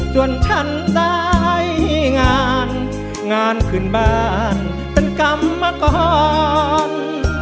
ส่วนฉันได้งานงานคืนบ้านเป็นกรรมกรรม